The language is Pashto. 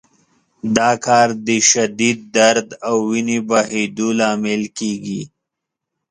دا کار د شدید درد او وینې بهېدو لامل کېږي.